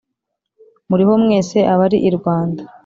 Muriho mwese abari i Rwanda